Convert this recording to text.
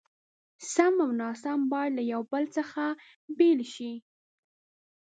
سم او ناسم بايد له يو بل څخه بېل شي.